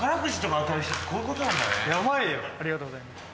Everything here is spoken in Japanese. ヤバいよありがとうございます